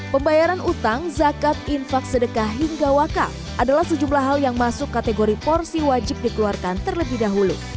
pembayaran utang zakat infak sedekah hingga wakaf adalah sejumlah hal yang masuk kategori porsi wajib dikeluarkan terlebih dahulu